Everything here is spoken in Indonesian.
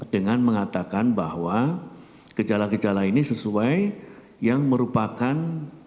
dengan mengatakan bahwa gejala gejala ini sesuai yang merupakan